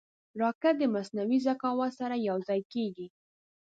راکټ د مصنوعي ذکاوت سره یوځای کېږي